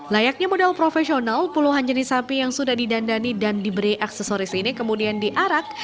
layaknya modal profesional puluhan jenis sapi yang sudah didandani dan diberi aksesoris ini kemudian diarak